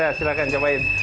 nah silahkan cobain